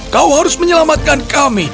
kau harus menyelamatkan kami